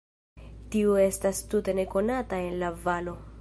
Tiu estas tute nekonata en la valo.